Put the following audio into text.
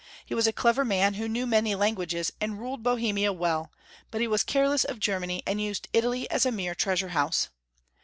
He was a clever man, who knew many languages, and ruled Bohemia well, but he was careless of Germany, and used Italy as a mere treasure house.